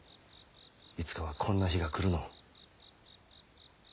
いつかはこんな日が来るのを。